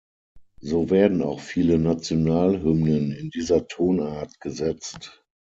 So werden auch viele Nationalhymnen in dieser Tonart gesetzt.